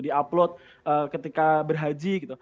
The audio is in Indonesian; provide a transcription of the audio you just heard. di upload ketika berhaji gitu